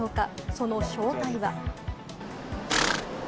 その正体は？